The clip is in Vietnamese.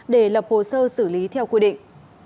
để lập hồ sơ xử lý theo quy định